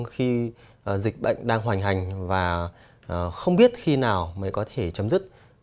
khi dịch bệnh đang hoành hành và không biết khi nào mới có thể chấm dứt